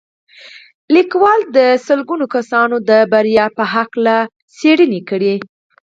لیکوال د سلګونه کسانو د بریاوو په هکله څېړنې کړي